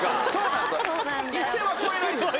一線は越えないんですよ。